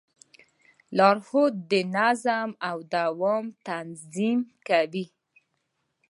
لارښود د نظم او دوام تضمین کوي.